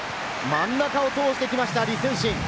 真ん中を通してきました、李承信。